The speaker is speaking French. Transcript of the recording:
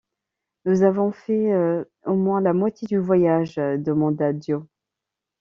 Nous avons fait au moins la moitié du voyage? demanda Joe.